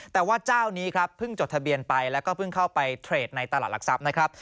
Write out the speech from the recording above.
แต่ว่าเจ้านี้ครับเพิ่งจดทะเบียนไปแล้วก็เพิ่งเข้าไปเทรดในตลาดหลักทรัพย์นะครับ